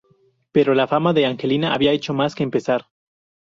Pero la fama de Angelina había hecho más que empezar.